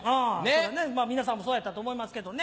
そうやね皆さんもそうやったと思いますけどね。